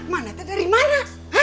mana tuh dari mana